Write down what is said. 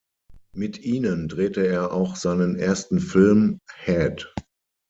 Mit ihnen drehte er auch seinen ersten Film "Head".